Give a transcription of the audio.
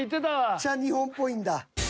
めっちゃ日本っぽいんだ。